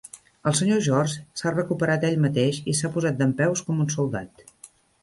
El Sr. George s"ha recuperat ell mateix i s"ha posat dempeus com un soldat.